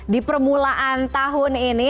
di permulaan tahun ini